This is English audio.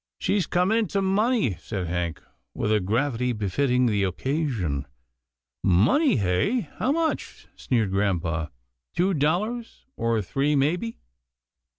She's come into money," said Hank with a gravity befitting the occasion. " Money hey — how much? " sneered grampa —" two dollars or three, maybe."